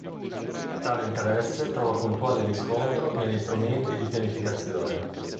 Tale interesse trova puntuale riscontro negli strumenti di pianificazione.